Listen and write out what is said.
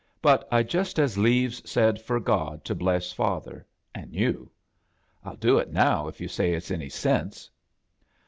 But I'd just as leaves said for God to bless father — an' you. I'll do it now if you say it's any sense."